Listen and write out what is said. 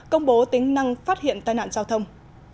công bố tính năng phát hiện tai nạn giao thông